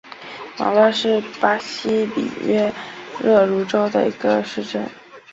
马热是巴西里约热内卢州的一个市镇。